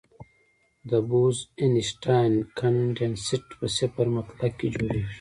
د بوز-اینشټاین کنډنسیټ په صفر مطلق کې جوړېږي.